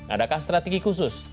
adakah strategi khusus